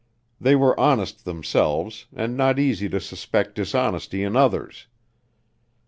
They were honest themselves, and not easy to suspect dishonesty in others.